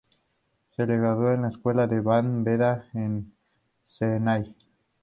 Él se graduó de la Escuela de San Beda, en Chennai.